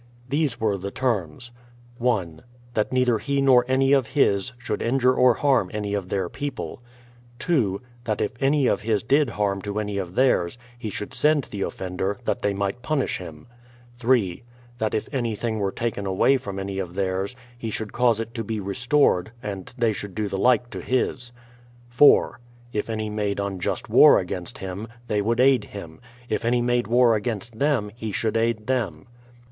These were the terms : i. That neither he nor any of his, should hijure or harm any of their people. 80 BRADFORD'S HISTORY OF 2. That if any of his did any harm to any of theirs, he should send the offender, that they might punish him. 3. That if anything were taken away from any of theirs, he should cause it to be restored; and they should do the like to his. 4. If any made unjust war against him, they would aid him; if any made war against them, he should aid them.